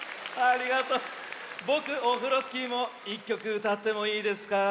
ぼくオフロスキーも１きょくうたってもいいですか？